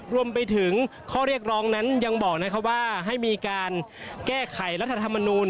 รวมไปถึงข้อเรียกร้องนั้นยังบอกว่าให้มีการแก้ไขรัฐธรรมนูล